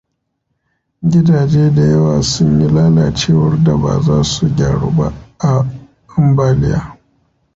Gidaje da yawa sun yi lalacewar da ba za su gyaru ba a ambaliyar.